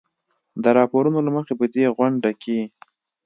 د راپورونو له مخې په دې غونډه کې